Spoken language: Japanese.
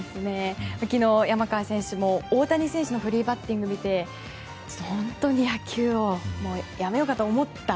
昨日、山川選手も大谷選手のフリーバッティングを見て本当に野球を辞めようかと思った。